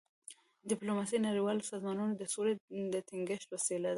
ډيپلوماسي د نړیوالو سازمانونو د سولي د ټینګښت وسیله ده.